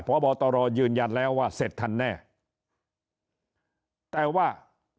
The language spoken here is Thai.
พบตรยืนยันแล้วว่าเสร็จทันแน่แต่ว่า